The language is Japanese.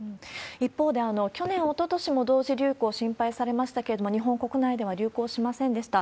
一方で、去年、おととしも同時流行、心配されましたけれども、日本国内では流行しませんでした。